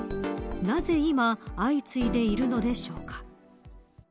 なぜ今相次いでいるのでしょうか。